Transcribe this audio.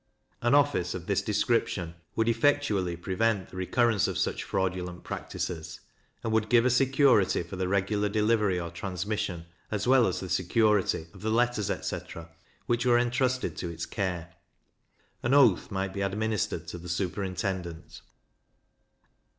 An office of this description would effectually prevent the recurrence of such fraudulent practices, and would give a security for the regular delivery or transmission, as well as the security, of the letters, etc. which were entrusted to its care. An oath might be administered to the superintendent.